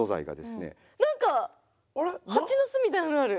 何か蜂の巣みたいなのがある。